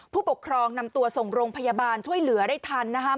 ผู้ปกครองนำตัวส่งโรงพยาบาลช่วยเหลือได้ทันนะครับ